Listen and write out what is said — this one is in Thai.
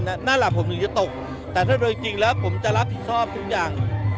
นั่นแหละผมจะตกแต่ถ้าจริงแล้วผมจะรับผิดชอบทุกอย่าง